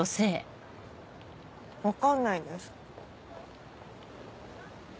分かんないです。